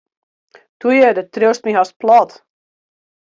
Toe ju, do triuwst my hast plat.